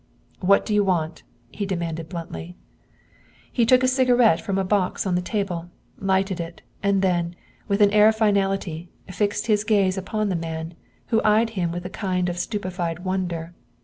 "What do you want?" he demanded bluntly. He took a cigarette from a box on the table, lighted it, and then, with an air of finality, fixed his gaze upon the man, who eyed him with a kind of stupefied wonder.